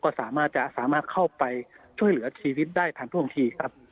ก็สามารถจะสามารถเข้าไปช่วยเหลือชีวิตได้ทันท่วงทีครับ